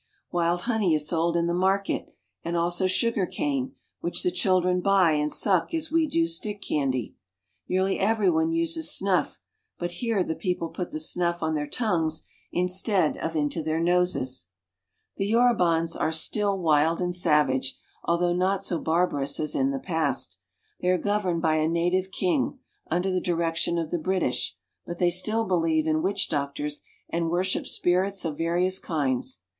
Wild honey is sold in the market, and also sugar cane, frhich the children buy and suck as we do stick candy. Nearly every one uses snuff, but here the people put the ttiuff on their tongues instead of into their noses. The Yorubans are still wild and savage, although not so barbarous as in the past. They are governed by a native king, under the direction of the British ; but they still believe in witch doctors and worship spirits of various kinds.